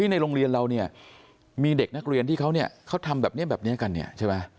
ในโรงเรียนเราเนี่ยมีเด็กนักเรียนที่เขาทำแบบนี้แบบนี้กันเนี่ยใช่ไหม